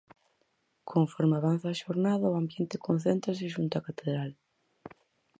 Conforme avanza a xornada, o ambiente concéntrase xunto á Catedral.